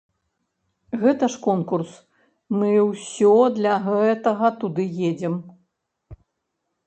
Гэта ж конкурс, мы ўсё для гэтага туды едзем.